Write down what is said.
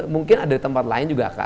mungkin ada tempat lain juga